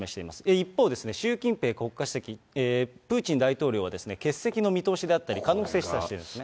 一方、習近平国家主席、プーチン大統領は欠席の見通しであったり、可能性を示唆しているんですね。